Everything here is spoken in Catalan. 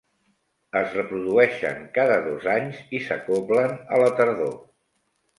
Es reprodueixen cada dos anys i s'acoblen a la tardor.